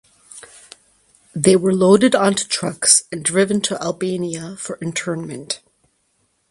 They were loaded onto trucks and driven to Albania for internment.